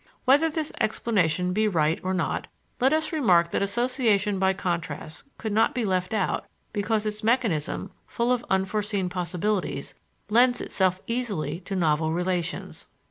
Whether this explanation be right or not, let us remark that association by contrast could not be left out, because its mechanism, full of unforeseen possibilities, lends itself easily to novel relations.